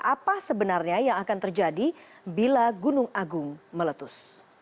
apa sebenarnya yang akan terjadi bila gunung agung meletus